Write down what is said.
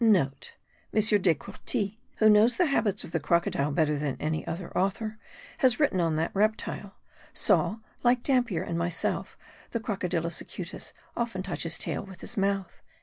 (* M. Descourtils, who knows the habits of the crocodile better than any other author who has written on that reptile, saw, like Dampier and myself, the Crocodilus acutus often touch his tail with his mouth.)